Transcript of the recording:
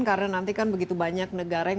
karena nanti kan begitu banyak negara yang